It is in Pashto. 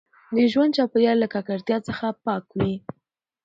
د ژوند چاپیریال له ککړتیا څخه پاک وي.